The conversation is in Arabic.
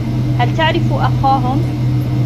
هل تعرف أخاهم؟